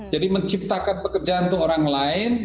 jadi menciptakan pekerjaan untuk orang lain